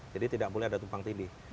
jadi tidak boleh ada tumpang tim